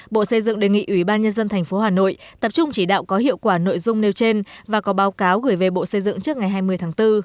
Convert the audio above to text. bộ xây dựng đề nghị ủy ban nhân dân tp hà nội tập trung chỉ đạo có hiệu quả nội dung nêu trên và có báo cáo gửi về bộ xây dựng trước ngày hai mươi tháng bốn